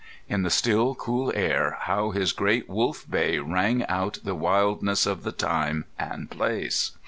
In the still cool air how his great wolf bay rang out the wildness of the time and place!